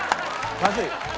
まずい？